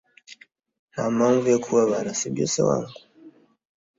ntampamvu yo kubabara, sibyo se wangu!